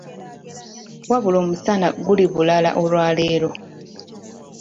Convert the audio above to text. Wabula omusana guli bulala olwaleero!